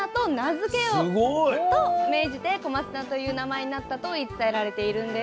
すごい！と命じて小松菜という名前になったと言い伝えられているんです。